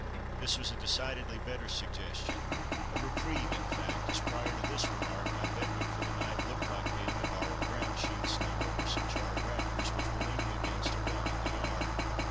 This was a decidedly better suggestion, a reprieve, in fact, as prior to this remark my bedroom for the night looked like being a borrowed ground sheet slung over some charred rafters which were leaning against a wall in the yard.